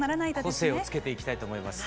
個性をつけていきたいと思います。